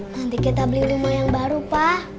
nanti kita beli rumah yang baru pak